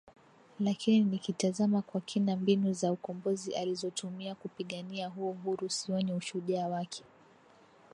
Lakini nikitazama kwa kina mbinu za ukombozi alizotumia kupigania huo uhuru sioni ushujaa wake